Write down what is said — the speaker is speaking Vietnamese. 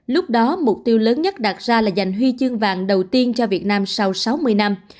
lúc đó mục tiêu lớn nhất đạt ra là giành huy chương vàng đầu tiên cho việt nam sau sáu mươi năm